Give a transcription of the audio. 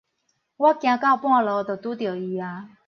我行到半路就拄著伊矣